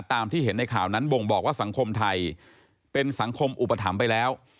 ตามที่เห็นในข่าวนั้นบ่งบอกว่าสังคมไทยเป็นสังคมอุปถัมภ์ไปแล้ว